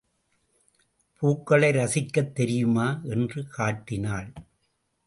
பூக்களை ரசிக்கத் தெரியுமா? என்று காட்டினாள்.